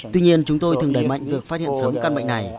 tuy nhiên chúng tôi thường đẩy mạnh việc phát hiện sớm căn bệnh này